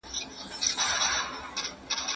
ټولنيزې ستونزې بايد په علمي ډول حل سي.